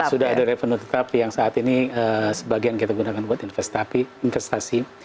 sudah ada revenue tetapi yang saat ini sebagian kita gunakan buat investasi